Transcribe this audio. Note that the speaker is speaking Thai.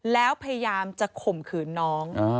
แล้วพยายามจะข่มขืนน้อง